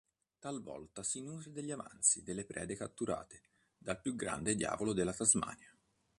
Talvolta si nutre degli avanzi delle prede catturate dal più grande diavolo della Tasmania.